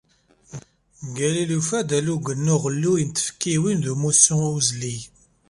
Galili yufa-d alugen n uɣelluy n tfekkiwin d umussu uzlig.